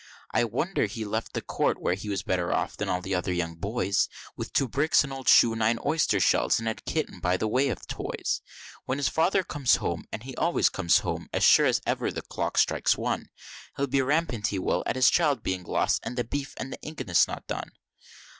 I wonder he left the court where he was better off than all the other young boys, With two bricks, an old shoe, nine oyster shells, and a dead kitten by way of toys. When his father comes home, and he always comes home as sure as ever the clock strikes one, He'll be rampant, he will, at his child being lost; and the beef and the inguns not done!